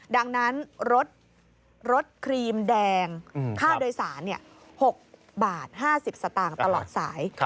ดังนั้นรถครีมแดงค่าโดยสาร๖บาท๕๐สตางค์ตลอดสาย